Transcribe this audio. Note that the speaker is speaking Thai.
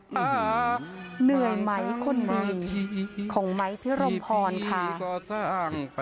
เหนื่อยไหมคนนี้ของไม้พิรมพรค่ะ